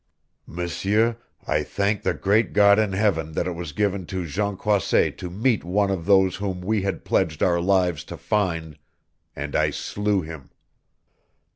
"M'seur, I thank the great God in Heaven that it was given to Jean Croisset to meet one of those whom we had pledged our lives to find and I slew him!"